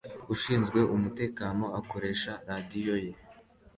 Ushinzwe umutekano akoresha radiyo ye